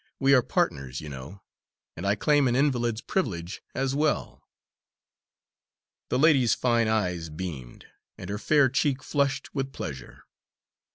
We are partners, you know, and I claim an invalid's privilege as well." The lady's fine eyes beamed, and her fair cheek flushed with pleasure.